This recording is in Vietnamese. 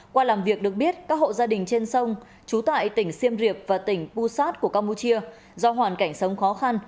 qua làm việc được biết các hộ gia đình trên sông trú tại tỉnh siêm riệp và tỉnh busat của campuchia do hoàn cảnh sống khó khăn